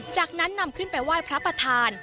จากนั้นนำขึ้นไปไหว้พระประธาน